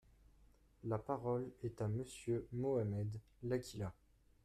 La parole est à Monsieur Mohamed Laqhila.